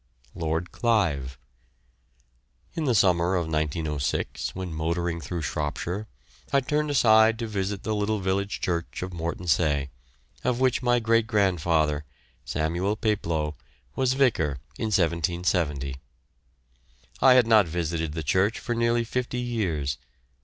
LORD CLIVE. In the summer of 1906, when motoring through Shropshire, I turned aside to visit the little village church of Morton Saye, of which my great grandfather, Samuel Peploe, was vicar in 1770. I had not visited the church for nearly fifty years.